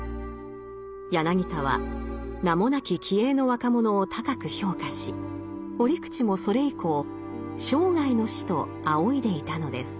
柳田は名もなき気鋭の若者を高く評価し折口もそれ以降生涯の師と仰いでいたのです。